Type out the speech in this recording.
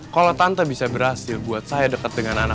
kalau tante bisa berhasil buat saya dekat dengan anak anak